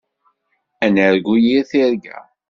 Ad nargu yir tirga.